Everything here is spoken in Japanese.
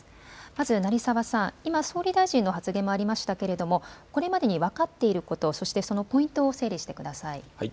まず成澤さん、今、総理大臣の発言もありましたけれどもこれまでに分かっていること、整理してください。